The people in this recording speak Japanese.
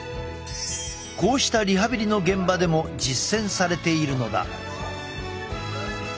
こうしたリハビリの現場でも実践されているのだ。